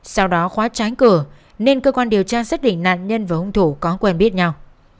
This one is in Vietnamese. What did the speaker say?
sau đó khóa trái cửa nên cơ quan điều tra xác định nạn nhân và hung thủ có quen biết nhau